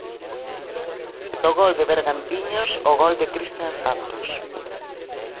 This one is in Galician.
Do gol de Bergantiños o gol de Cristian Santos.